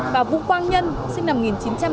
và vũ quang nhân sinh năm một nghìn chín trăm tám mươi